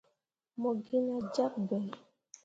Mo gi nah jyak bai.